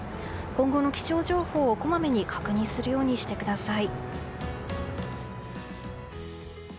今後の気象情報をこまめに確認するようにしてください。